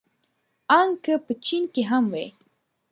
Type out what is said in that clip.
ان که په چين کې هم وي.